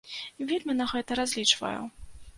Вельмі на гэта разлічваю.